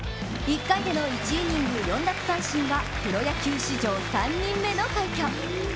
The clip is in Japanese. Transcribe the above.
１回での１イニング４奪三振はプロ野球支城人目の快挙。